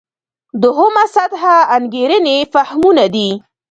دوهمه سطح انګېرنې فهمونه دي.